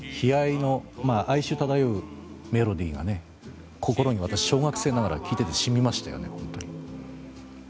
哀愁漂うメロディーが心に、私は小学生ながら聴いていて染みましたよ。